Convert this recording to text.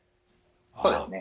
そうですね。